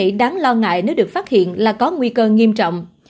một biến thể đáng lo ngại nếu được phát hiện là có nguy cơ nghiêm trọng